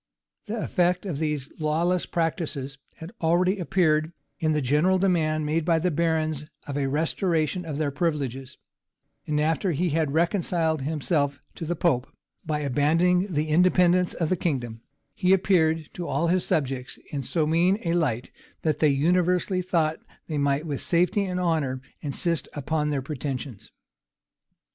[*] The effect of these lawless practices had already appeared in the general demand made by the barons of a restoration of their privileges; and after he had reconciled himself to the pope, by abandoning the independence of the kingdom, he appeared to all his subjects in so mean a light, that they universally thought they might with safety and honor insist upon their pretensions.